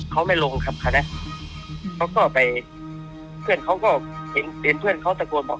เขาไม่ลงครับคราวนี้เขาก็ไปเพื่อนเขาก็เห็นเห็นเพื่อนเขาตะโกนบอก